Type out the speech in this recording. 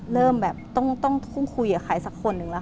เริ่มแบบต้องคุยกับใครสักคนนึงแล้ว